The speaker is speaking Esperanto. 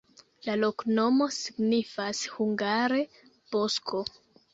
La loknomo signifas hungare: bosko.